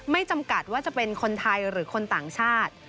จำกัดว่าจะเป็นคนไทยหรือคนต่างชาติ